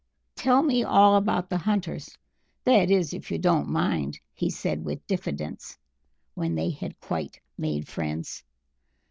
"Tell me all about the hunters that is, if you don't mind," he said with diffidence, when they had quite made friends.